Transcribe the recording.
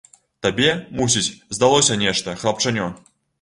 Табе, мусіць, здалося нешта, хлапчанё!